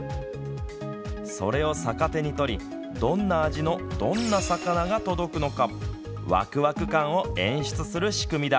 それを逆手に取りどんな味のどんな魚が届くのかわくわく感を演出する仕組みだ。